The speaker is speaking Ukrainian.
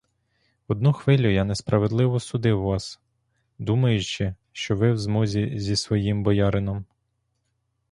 Одну хвилю я несправедливо судив вас, думаючи, що ви в змозі зі своїм боярином.